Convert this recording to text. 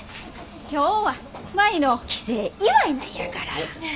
今日は舞の帰省祝いなんやから。